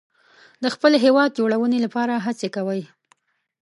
د خپل هیواد جوړونې لپاره هڅې کوي.